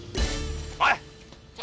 おい！